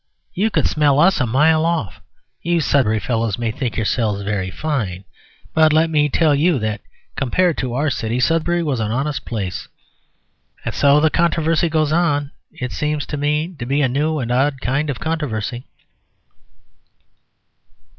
You could smell us a mile off. You Sudbury fellows may think yourselves very fine, but let me tell you that, compared to our city, Sudbury was an honest place." And so the controversy goes on. It seems to me to be a new and odd kind of controversy.